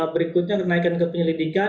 berikutnya kenaikan ke penyelidikan